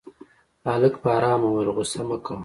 هلک په آرامه وويل غوسه مه کوه.